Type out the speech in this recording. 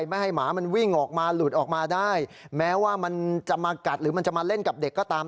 ไม่ให้หมามันวิ่งออกมาหลุดออกมาได้แม้ว่ามันจะมากัดหรือมันจะมาเล่นกับเด็กก็ตาม